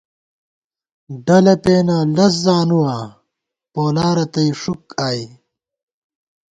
ڈلہ پېن لز زانُواں، پولا رتئی ݭُک آئی